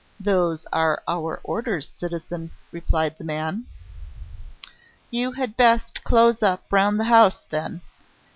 "Those are our orders, citizen," replied the man. "You had best close up round the house, then.